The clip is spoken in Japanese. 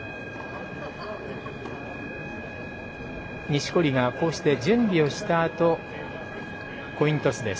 錦織がこうして準備をしたあとコイントスです。